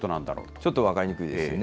ちょっと分かりにくいですよね。